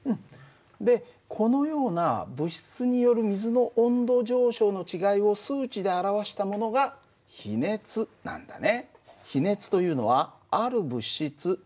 でこのような物質による水の温度上昇の違いを数値で表したものが比熱なんだね。